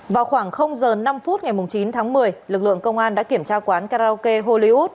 vào khoảng giờ năm phút ngày chín tháng một mươi lực lượng công an đã kiểm tra quán karaoke hollywood